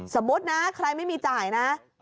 สมมุตินะใครไม่มีจ่ายนะ